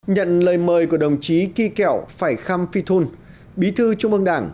nhận lời mời của đồng chí kỳ kẹo phải khăm phi thun bí thư trung ương đảng